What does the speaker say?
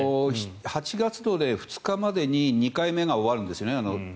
８月２日までに２回目が終わるんですね